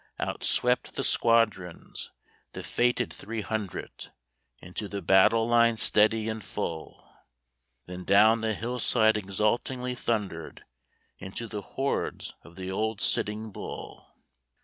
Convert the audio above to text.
Out swept the squadrons, the fated three hundred, Into the battle line steady and full; Then down the hillside exultingly thundered, Into the hordes of the old Sitting Bull!